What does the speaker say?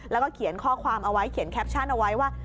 แล้วก็เขียนข้อความเอาไว้เขียนแคปชั่นเอาไว้ว่า